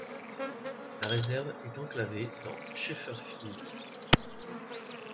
La réserve est enclavée dans Schefferville.